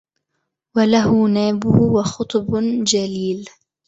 وله نابه وخطب جليل